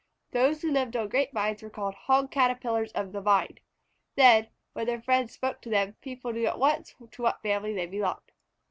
Those who lived on grape vines were called Hog Caterpillars of the Vine. Then, when their friends spoke of them, people knew at once to what family they belonged.